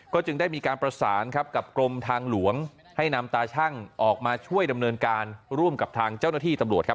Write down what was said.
จึงได้มีการประสานครับกับกรมทางหลวงให้นำตาชั่งออกมาช่วยดำเนินการร่วมกับทางเจ้าหน้าที่ตำรวจครับ